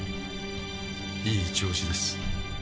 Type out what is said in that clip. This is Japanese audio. いい調子です。